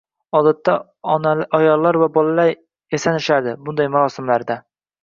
odatda ayollar va bolalar yasanishardi bunday marosimlarda